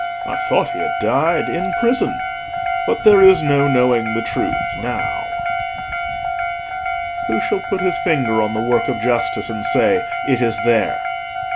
I thought he had died in prison. But there is no knowing the truth now." Who shall put his finger on the work of justice, and say, "It is there"?